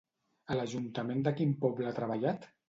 A l'Ajuntament de quin poble ha treballat?